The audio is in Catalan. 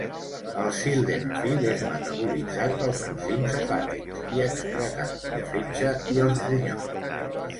El sildenafil és metabolitzat pels enzims hepàtics i excretat pel fetge i els ronyons.